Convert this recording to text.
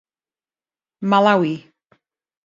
Malawi.